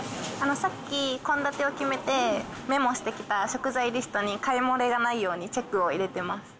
さっき献立を決めて、メモしてきた食材リストに、買い漏れがないようにチェックをしています。